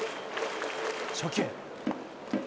初球。